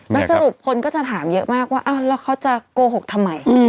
แล้วสรุปคนก็จะถามเยอะมากว่าแล้วเขาจะโกหกทำไม